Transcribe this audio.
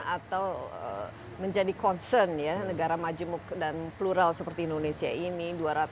atau menjadi concern ya negara majemuk dan plural seperti indonesia ini